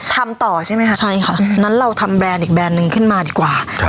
ทำต่อใช่ไหมคะใช่ค่ะงั้นเราทำแบรนด์อีกแบรนด์หนึ่งขึ้นมาดีกว่า